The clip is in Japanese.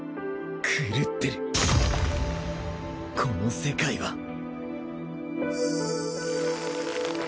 この世界は